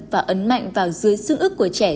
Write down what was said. và ấn mạnh vào dưới xương ức của trẻ